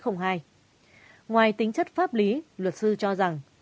ngoài tính chất pháp lý luật sư cho rằng